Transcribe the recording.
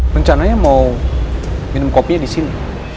rencananya mau minum kopinya disini